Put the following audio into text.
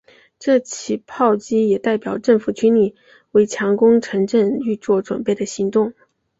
这起炮击也代表政府军在为强攻城镇预作准备的行动。